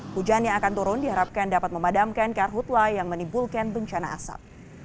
hujan yang akan turun diharapkan dapat memadamkan karhutlah yang menimbulkan bencana asap